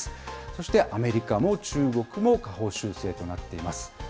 そして、アメリカも中国も下方修正となっています。